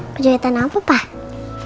kejutan apa pak